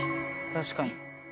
確かに。